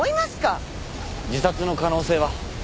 自殺の可能性は？